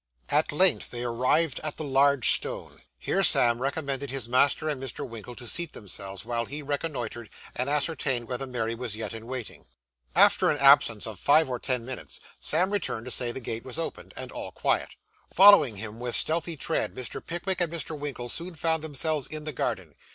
At length they arrived at the large stone. Here Sam recommended his master and Mr. Winkle to seat themselves, while he reconnoitred, and ascertained whether Mary was yet in waiting. After an absence of five or ten minutes, Sam returned to say that the gate was opened, and all quiet. Following him with stealthy tread, Mr. Pickwick and Mr. Winkle soon found themselves in the garden.